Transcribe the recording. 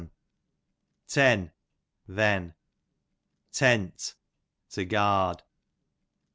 Ten, then. Tent, to guard.